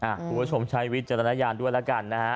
หัวชมชายวิจารณญาณด้วยแล้วกันนะฮะ